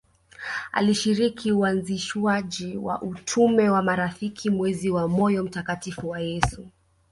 Alishiriki uanzishwaji wa utume wa marafiki mwezi wa moyo mtakatifu wa Yesu